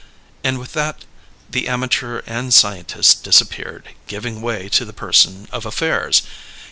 And with that the amateur and scientist disappeared, giving way to the person of affairs.